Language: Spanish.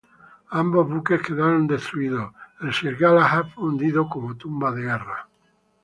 Ambos buques quedaron destruidos, el Sir Galahad fue hundido como tumba de guerra.